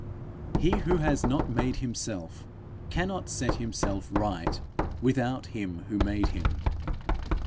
He who has not made himself, cannot set himself right without him who made him.